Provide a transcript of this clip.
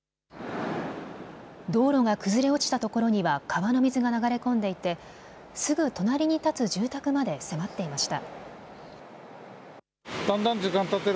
道路が崩れ落ちたところには川の水が流れ込んでいてすぐ隣に建つ住宅まで迫っていました。